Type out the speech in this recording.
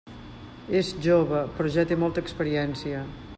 És jove, però ja té molta experiència.